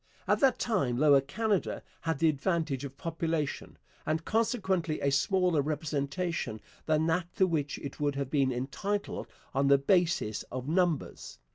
At that time Lower Canada had the advantage of population, and consequently a smaller representation than that to which it would have been entitled on the basis of numbers.